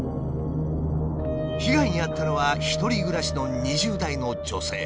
被害に遭ったのは１人暮らしの２０代の女性。